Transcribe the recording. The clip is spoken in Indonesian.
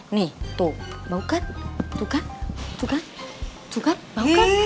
nih tuh bau kan tuh kan tuh kan tuh kan bau kan